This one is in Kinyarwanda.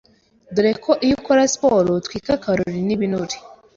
dore ko iyo ukora siporo utwika calories n’ibinure